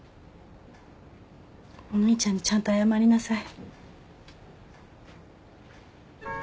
お兄ちゃんにちゃんと謝りなさい。